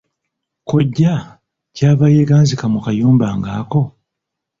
Kojja ky'ava yeeganzika mu kayumba ng'ako!